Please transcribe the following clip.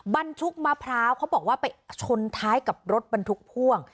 บรรทุกมะพร้าวเขาบอกว่าไปชนท้ายกับรถบรรทุกพ่วง